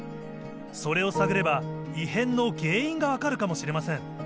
それを探れば異変の原因がわかるかもしれません。